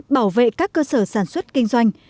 bảo vệ các cơ sở sản xuất kinh doanh